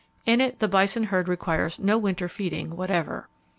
In it the bison herd requires no winter feeding whatever.